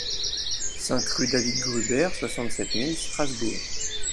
cinq rue David Gruber, soixante-sept mille Strasbourg